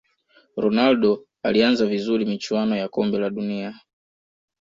ronaldo alianza vizuri michuano ya kombe la dunia